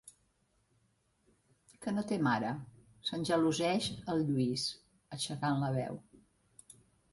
Que no té mare? –s'engeloseix el Lluís, aixecant la veu–.